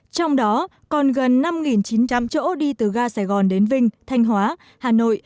trong đó còn gần năm chín trăm linh chỗ đi từ ga sài gòn đến vinh thanh hóa hà nội